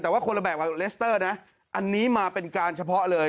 แต่ว่าคนละแบบเลสเตอร์นะอันนี้มาเป็นการเฉพาะเลย